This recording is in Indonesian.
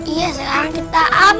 iya sekarang kita aman